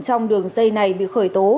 trong đường dây này bị khởi tố